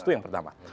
itu yang pertama